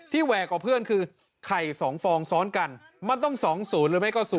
แหวกกว่าเพื่อนคือไข่๒ฟองซ้อนกันมันต้อง๒๐หรือไม่ก็๐